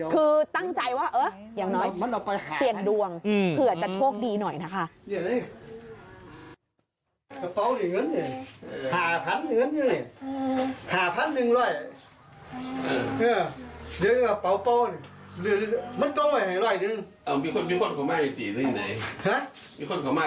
คือตั้งใจว่าอย่างน้อยเสี่ยงดวงเผื่อจะโชคดีหน่อยนะคะ